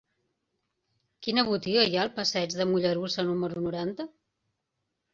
Quina botiga hi ha al passeig de Mollerussa número noranta?